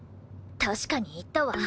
確かに言ったわ。